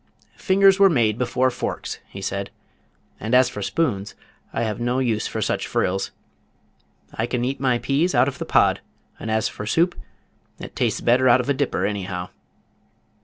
"Fingers were made before forks," he said, "and as for spoons I have no use for such frills. I can eat my peas out of the pod, and as for soup it tastes better out of a dipper anyhow."